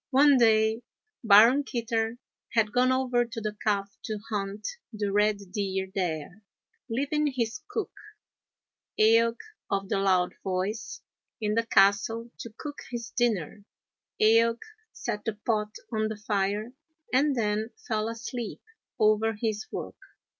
One day Baron Kitter had gone over to the Calf to hunt the red deer there, leaving his cook, Eaoch of the Loud Voice, in the castle to cook his dinner. Eaoch set the pot on the fire and then fell asleep over his work.